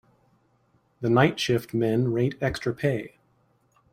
The night shift men rate extra pay.